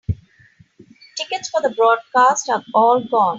Tickets for the broadcast are all gone.